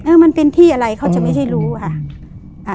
มันเป็นที่อะไรเขาจะไม่ใช่รู้ค่ะ